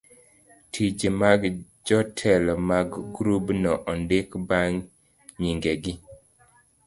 tije mag jotelo mag grubno ondik bang' nyingegi.